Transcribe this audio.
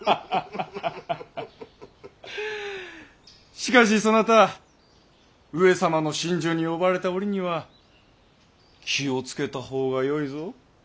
しかしそなた上様の寝所に呼ばれた折には気を付けた方がよいぞ。